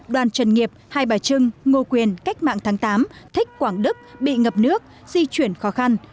đoàn trần nghiệp hai bà trưng ngô quyền cách mạng tháng tám thích quảng đức bị ngập nước di chuyển khó khăn